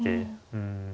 うん。